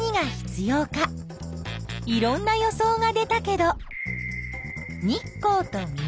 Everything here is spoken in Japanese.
いろんな予想が出たけど日光と水